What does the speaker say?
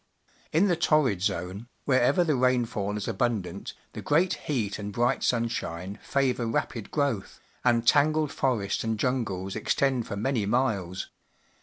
In the T orrid Zone, wherever the rainfall is abundant, the great heat and bright sun shine favour rapid growth, and tangled forests and jungles extend for many miles.